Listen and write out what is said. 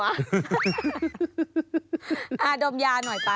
อะดมยาหน่อยก่อน